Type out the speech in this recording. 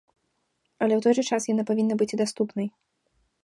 Але ў той жа час яна павінна быць і даступнай.